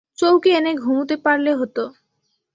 চৌকি এনে ঘুমুতে পারলে হত।